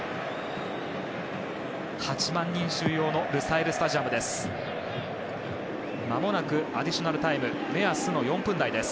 ８万人収容のルサイル・スタジアムです。